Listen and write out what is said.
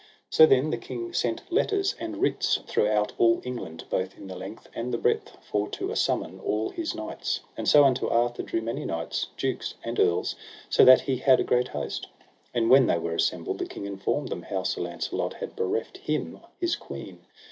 So then the king sent letters and writs throughout all England, both in the length and the breadth, for to assummon all his knights. And so unto Arthur drew many knights, dukes, and earls, so that he had a great host. And when they were assembled, the king informed them how Sir Launcelot had bereft him his queen.